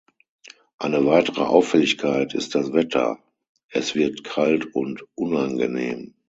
Eine weitere Auffälligkeit ist das Wetter: Es wird kalt und unangenehm.